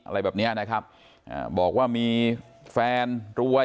อะไรแบบเนี้ยนะครับอ่าบอกว่ามีแฟนรวย